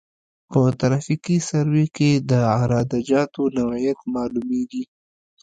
په ترافیکي سروې کې د عراده جاتو نوعیت معلومیږي